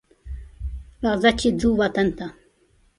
راځه چې ځو وطن ته